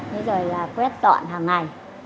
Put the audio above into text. thế rồi là quét dọn hàng ngày